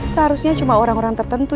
seharusnya cuma orang orang tertentu